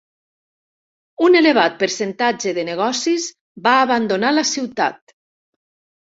Un elevat percentatge de negocis va abandonar la ciutat.